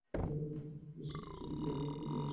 মুক্তি পাওয়া বেশির ভাগ ছবি নিয়ে তেমন কোনো আলোচনা ছিল না।